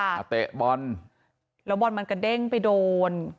เตะบอลแล้วบอลมันกระเด้งไปโดน